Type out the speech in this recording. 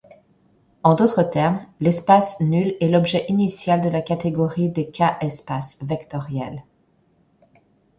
En d'autres termes, l'espace nul est l'objet initial de la catégorie des K-espaces vectoriels.